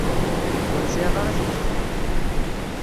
Ur tesɛiḍ ara tikti.